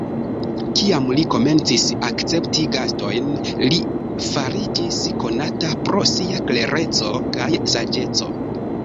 Kiam li komencis akcepti gastojn, li fariĝis konata pro sia klereco kaj saĝeco.